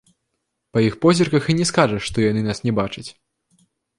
Па іх позірках і не скажаш, што яны нас не бачаць.